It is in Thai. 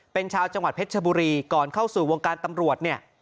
เป็นชาวจังหวัดเพชรชบุรีก่อนเข้าสู่วงการตำรวจเนี่ย